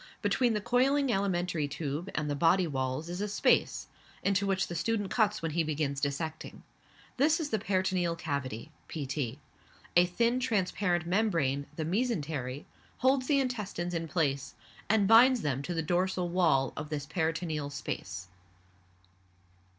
Between the coiling alimentary tube and the body walls is a space, into which the student cuts when he begins dissecting; this is the peritoneal cavity (pt.). A thin, transparent membrane, the mesentery, holds the intestines in place, and binds them to the dorsal wall of this peritoneal space.